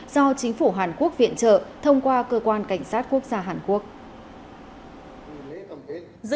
do chính phủ hàn quốc viện trợ thông qua cơ quan cảnh sát quốc gia hàn quốc